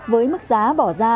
với mức giá bỏ ra